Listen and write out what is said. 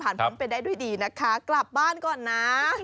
พ้นไปได้ด้วยดีนะคะกลับบ้านก่อนนะ